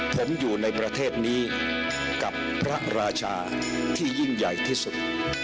ผมอยู่ในประเทศนี้กับพระราชาที่ยิ่งใหญ่ที่สุด